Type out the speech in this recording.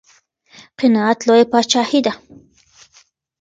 قناعت لويه پاچاهي ده.